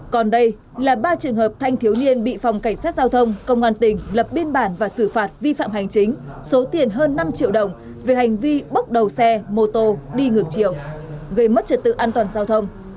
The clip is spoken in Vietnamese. còn đây là ba trường hợp thanh thiếu niên bị phòng cảnh sát giao thông công an tỉnh lập biên bản và xử phạt vi phạm hành chính số tiền hơn năm triệu đồng về hành vi bước đầu xe mô tô đi ngược chiều gây mất trật tự an toàn giao thông